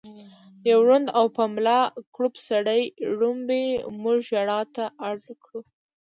يو ړوند او په ملا کړوپ سړي ړومبی مونږ ژړا ته اړ کړو